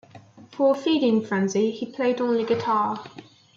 For "Feeding Frenzy", he played only guitar.